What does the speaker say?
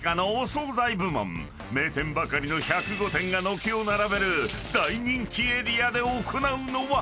［名店ばかりの１０５店が軒を並べる大人気エリアで行うのは］